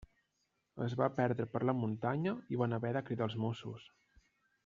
Es va perdre per la muntanya i van haver de cridar els Mossos.